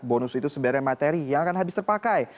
bonus itu sebenarnya materi yang akan habis terpakai